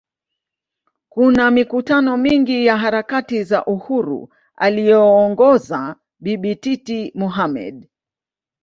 Kuna mikutano mingi ya harakati za Uhuru aliyoongoza Bibi Titi Mohammed